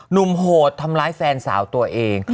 หนุ่มโหดทำร้ายแฟนสาวอันตัวเอง